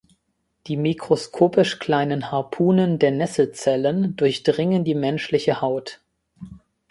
Die mikroskopisch kleinen Harpunen der Nesselzellen durchdringen die menschliche Haut.